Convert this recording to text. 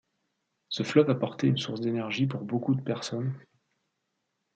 Ce fleuve apportait une source d'énergie pour beaucoup de personnes.